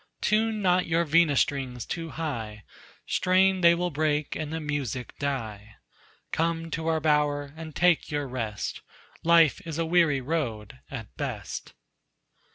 Tune not your vina strings too high, Strained they will break and the music die. Come to our bower and take your rest Life is a weary road at best."